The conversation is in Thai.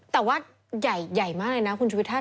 แต่ว่าใหญ่มากเลยนะคุณชุพิธรรม